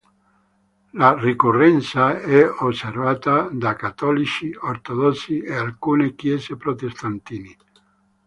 La ricorrenza è osservata da cattolici, ortodossi e alcune Chiese protestanti.